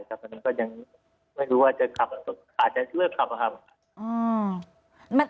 ครับก็ยังไม่รู้ว่าจะขับอาจจะเชื่อขับอะครับอืมมัน